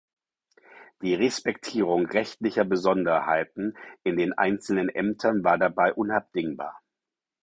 Die Respektierung rechtlicher Besonderheiten in den einzelnen Ämtern war dabei unabdingbar.